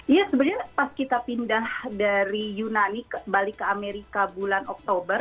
iya sebenarnya pas kita pindah dari yunani balik ke amerika bulan oktober